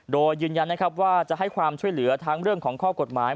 โดยยืนยันนะครับว่าจะให้ความช่วยเหลือทั้งเรื่องของข้อกฎหมาย